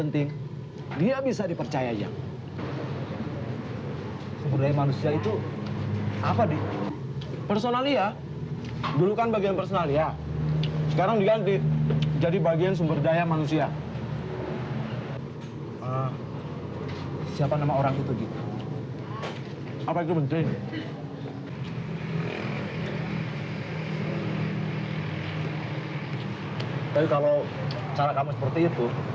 tapi kalau cara kamu seperti itu